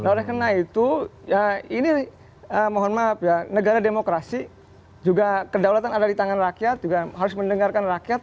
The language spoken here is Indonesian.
oleh karena itu ini mohon maaf ya negara demokrasi juga kedaulatan ada di tangan rakyat juga harus mendengarkan rakyat